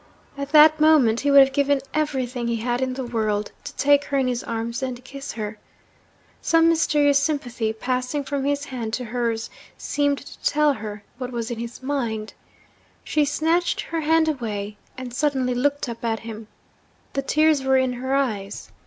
At that moment he would have given everything he had in the world to take her in his arms and kiss her. Some mysterious sympathy, passing from his hand to hers, seemed to tell her what was in his mind. She snatched her hand away, and suddenly looked up at him. The tears were in her eyes.